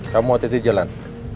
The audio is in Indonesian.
kamu otw di jalan